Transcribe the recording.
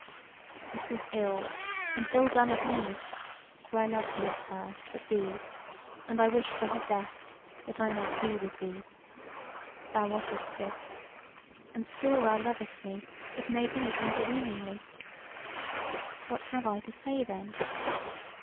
It was ill, and ill done of me, for I loved not her, but thee, and I wished for her death that I might be with thee. Thou wottest this, and still thou lovest me, it may be overweeningly. What have I to say then?